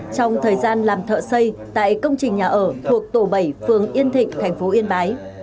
trong thời gian làm thợ xây tại công trình nhà ở thuộc tổ bảy phường yên thịnh thành phố yên bái